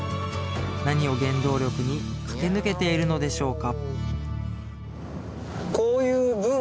何を原動力に駆け抜けているのでしょうか？